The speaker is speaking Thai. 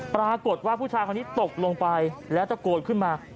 ปรากฏว่าผู้ชายคนนี้ตกลงไปแล้วตะโกนขึ้นมา